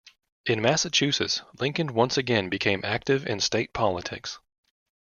In Massachusetts, Lincoln once again became active in state politics.